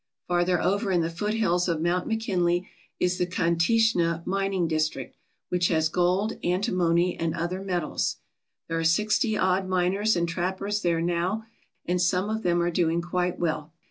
Farther over in the foothills of Mount McKinley is the Kantishna mining district, which has gold, antimony, and other metals. There are sixty odd miners and trappers there now, and some of them are doing quite well.